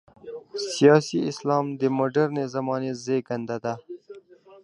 سیاسي اسلام د مډرنې زمانې زېږنده ده.